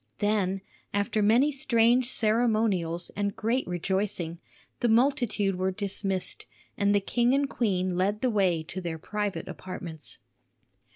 Then, after many strange ceremonials and great rejoicing, the multitude were dismissed, and the king and queen led the way to their private apartments.